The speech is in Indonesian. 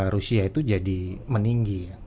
rusia itu jadi meninggi